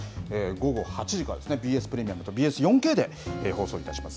午後８時からですね、ＢＳプレミアムとＢＳ４Ｋで放送いたします。